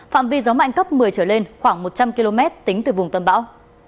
phạm vi gió mạnh cấp một mươi trở lên khoảng một trăm linh km tính từ vùng tâm bão